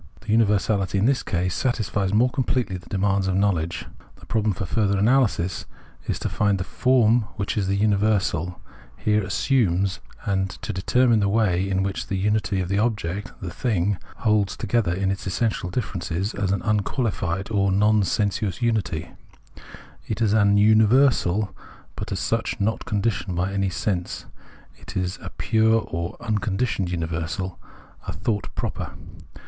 The universality in this case satisfies more completely the demands of knowledge. The problem for further analysis is to find the form which the universal here assumes and to determine the way in which the unity of the object (the "thing") holds together its essential differences. The result shows that the unity of the thing qua unity is only admissible as an unqualified or non sensuous unity. It is an universal, but as such, not conditioned by sense; it is a pure or "unconditioned" universal — a thought proper.